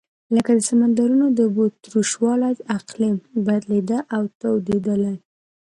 لکه د سمندرونو د اوبو تروش والۍ اقلیم بدلېده او تودوالی.